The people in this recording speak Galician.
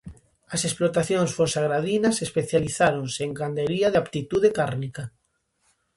As explotacións fonsagradinas especializáronse en gandería de aptitude cárnica.